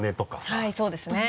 はいそうですね。